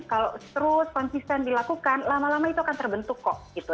kalau terus konsisten dilakukan lama lama itu akan terbentuk kok gitu